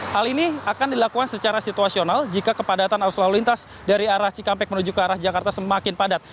hal ini akan dilakukan secara situasional jika kepadatan arus lalu lintas dari arah cikampek menuju ke arah jakarta semakin padat